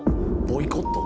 ボイコット？